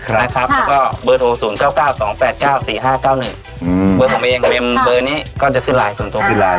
แล้วก็เบอร์โทร๐๙๙๒๘๙๔๕๙๑เบอร์ผมเองเป็นเบอร์นี้ก็จะขึ้นไลน์ส่วนตัวคือไลน